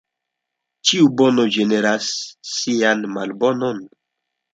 Ĉiu bono generas sian malbonon.